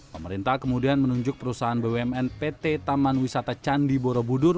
pemerintah kemudian menunjuk perusahaan bumn pt taman wisata candi borobudur